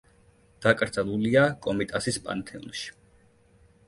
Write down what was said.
დაკრძალულია კომიტასის პანთეონში.